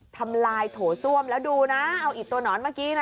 ทำลายโถส้วมแล้วดูนะเอาอิดตัวหนอนเมื่อกี้นะ